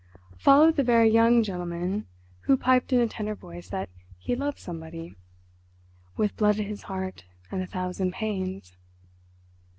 Followed the very young gentleman who piped in a tenor voice that he loved somebody, "with blood in his heart and a thousand pains."